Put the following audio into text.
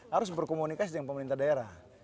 harus berkomunikasi dengan pemerintah daerah